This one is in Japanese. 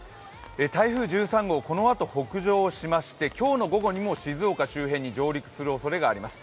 台風１３号、このあと北上しまして、今日の午後にも静岡周辺に上陸するおそれがあります。